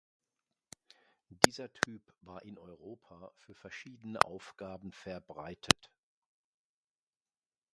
Dieser Typ war in Europa für verschiedene Aufgaben verbreitet.